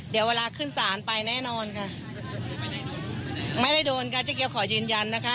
เดี๋ยวเวลาขึ้นศาลไปแน่นอนค่ะไม่ได้โดนค่ะเจ๊เกียวขอยืนยันนะคะ